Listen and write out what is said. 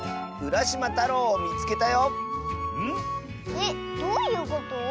えっどういうこと？